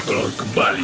kau tak mau